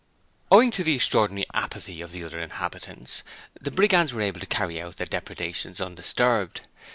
Owing to the extraordinary apathy of the other inhabitants, the Brigands were able to carry out their depredations undisturbed.